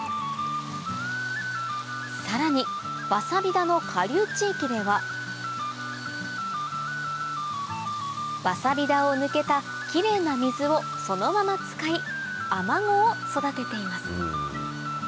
さらにわさび田の下流地域ではわさび田を抜けたキレイな水をそのまま使いアマゴを育てています